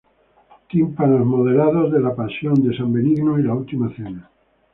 Tímpanos modelados de la pasión de San Benigno y la Última Cena.